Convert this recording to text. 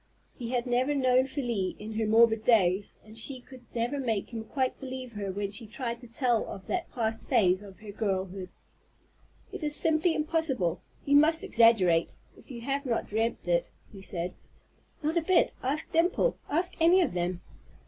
He had never known Felie in her morbid days, and she could never make him quite believe her when she tried to tell of that past phase of her girlhood. "It is simply impossible. You must exaggerate, if you have not dreamed it," he said. "Not a bit. Ask Dimple, ask any of them."